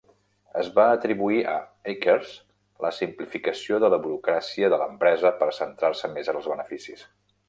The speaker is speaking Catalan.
Es va atribuir a Akers la simplificació de la burocràcia de l'empresa per centrar-se més en els beneficis.